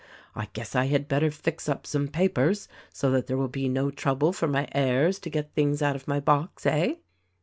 I guess I had better fix up some papers so that there will be no trouble for my heirs to get things out of my box, Eh?"